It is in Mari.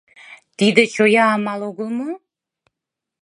Тиде чоя амал огыл мо?